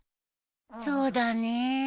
そうだね。